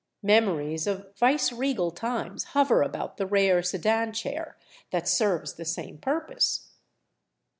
Memories of viceregal times hover about the rare sedan chair that serves the same purpose.